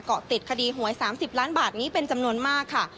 เกาะติดคดีหวย๓๐ล้านบาทนี้เป็นจำนวนมากค่ะ